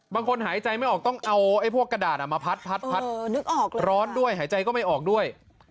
หายใจไม่ออกต้องเอาพวกกระดาษมาพัดร้อนด้วยหายใจก็ไม่ออกด้วย